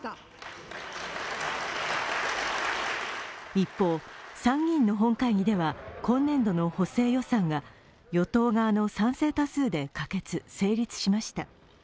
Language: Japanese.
一方、参議院の本会議では今年度の補正予算が与党側の賛成多数で可決・成立しました。